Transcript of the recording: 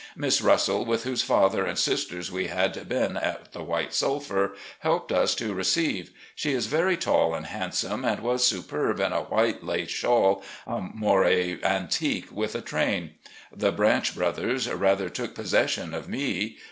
Miss Russell, with whose father and sisters we had been at the White Sulphur, helped us to receive. She is very tall and handsome, and was superb in a white lace shawl, a moire antique with a train. The Branch brothers rather took possession of me.